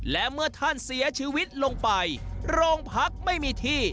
และเมื่อท่านเสียชีวิตลงไปโรงพักไม่มีที่